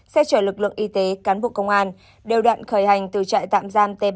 xe chở lực lượng y tế cán bộ công an đều đoạn khởi hành từ trại tạm giam t ba